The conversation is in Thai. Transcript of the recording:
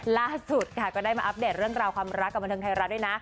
ล่าสุดค่ะก็ได้มาอัปเดตเรื่องราวความรักกับบันเทิงไทยรัฐด้วยนะ